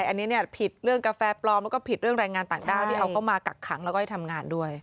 อันนี้เนี่ยผิดเรื่องกาแฟปลอมแล้วก็ผิดเรื่องแรงงานต่างด้าวที่เอาเข้ามากักขังแล้วก็ให้ทำงานด้วย